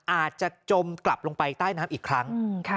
จมกลับลงไปใต้น้ำอีกครั้ง